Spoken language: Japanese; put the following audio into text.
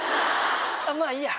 まぁいいや。